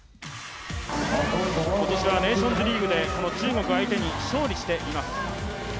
今年はネーションズリーグでこの中国相手に勝利しています。